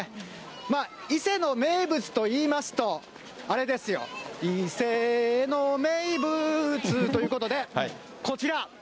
まあ、伊勢の名物といいますと、あれですよ、伊勢の名物、ということで、こちら。